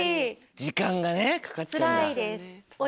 時間がねかかっちゃうんだ。